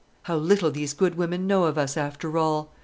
How little these good women know of us, after all!